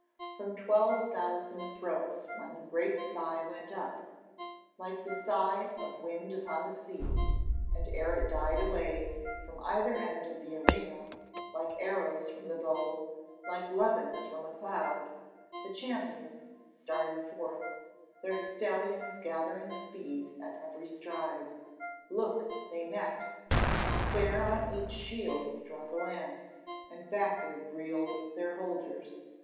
From twelve thousand throats one great sigh went up, like the sigh of wind upon the sea, and ere it died away, from either end of the arena, like arrows from the bow, like levens from a cloud, the champions started forth, their stallions gathering speed at every stride. Look, they met! Fair on each shield struck a lance, and backward reeled their holders.